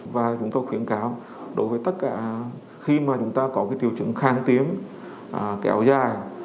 và chúng tôi khuyến cáo đối với tất cả khi mà chúng ta có cái triệu chứng kháng tiếng kéo dài